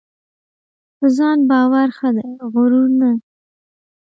په ځان باور ښه دی ؛غرور نه .